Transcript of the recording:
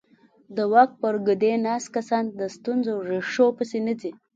د واک پر ګدۍ ناست کسان د ستونزې ریښو پسې نه ځي.